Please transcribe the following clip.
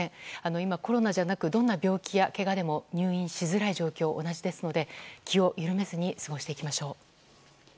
今、コロナじゃなくどんな病気でも入院しづらい状況同じですので気を緩めずに過ごしていきましょう。